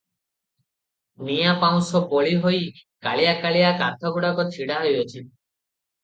ନିଆଁ ପାଉଁଶ ବୋଳି ହୋଇ କାଳିଆ କାଳିଆ କାନ୍ଥଗୁଡ଼ାକ ଛିଡ଼ା ହୋଇଅଛି ।